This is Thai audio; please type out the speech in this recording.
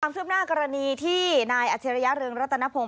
ความเสื้อบหน้ากรณีที่นายอาชิริยะเรืองรัตนพงศ์